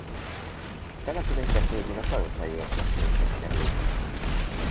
A települések végül a kalocsai érsekséghez kerültek.